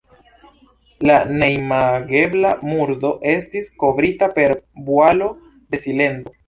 La neimagebla murdo estis kovrita per vualo de silento.